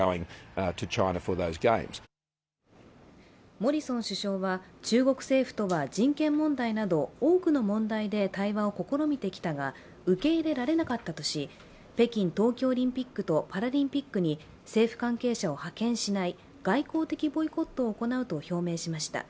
モリソン首相は中国政府とは人権問題など多くの問題で対話を試みてきたが受け入れられなかったとし北京冬季オリンピックとパラリンピックに政府関係者を派遣しない外交的ボイコットを行うと表明しました。